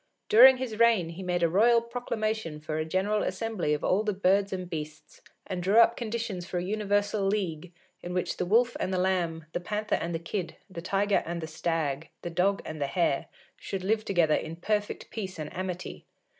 During his reign he made a royal proclamation for a general assembly of all the birds and beasts, and drew up conditions for a universal league, in which the Wolf and the Lamb, the Panther and the Kid, the Tiger and the Stag, the Dog and the Hare, should live together in perfect peace and amity.